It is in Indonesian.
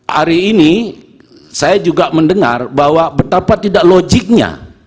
hari ini saya juga mendengar bahwa betapa tidak logiknya